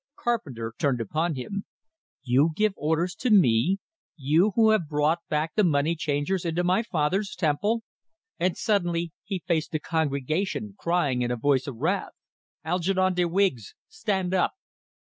Carpenter turned upon him. "You give orders to me you who have brought back the moneychangers into my Father's temple?" And suddenly he faced the congregation, crying in a voice of wrath: "Algernon de Wiggs! Stand up!"